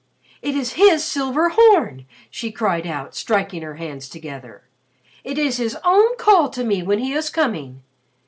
"It is his silver horn!" she cried out striking her hands together. "It is his own call to me when he is coming.